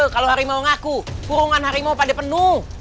kalau harimau ngaku kurungan harimau pada penuh